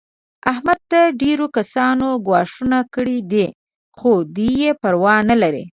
احمد ته ډېرو کسانو ګواښونه کړي دي. خو دی یې پروا نه لري.